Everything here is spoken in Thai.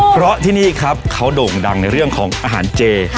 เพราะที่นี่ครับเขาโด่งดังในเรื่องของอาหารเจ